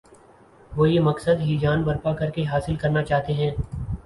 وہ یہ مقصد ہیجان برپا کر کے حاصل کرنا چاہتے ہیں۔